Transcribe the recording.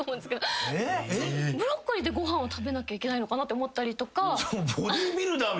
ブロッコリーでご飯を食べなきゃいけないのかなって思ったりとか。